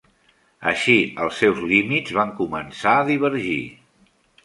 Així, els seus límits van començar a divergir.